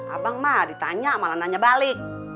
abang mah ditanya malah nanya balik